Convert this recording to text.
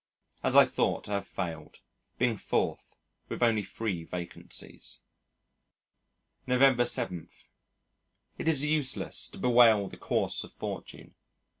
As I thought, I have failed, being fourth with only three vacancies. November 7. It is useless to bewail the course of fortune.